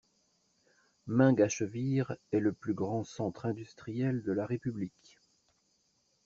Mingachevir est le plus grand centre industriel de la République.